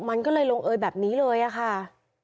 มันก็เลยลงเอยแบบนี้เลยอะค่ะ